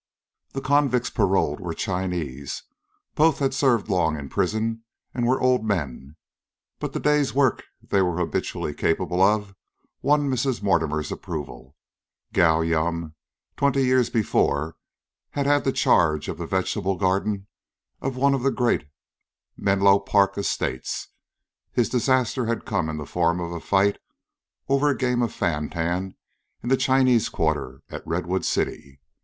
The convicts paroled were Chinese. Both had served long in prison, and were old men; but the day's work they were habitually capable of won Mrs. Mortimer's approval. Gow Yum, twenty years before, had had charge of the vegetable garden of one of the great Menlo Park estates. His disaster had come in the form of a fight over a game of fan tan in the Chinese quarter at Redwood City.